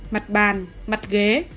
mặt bàn mặt ghế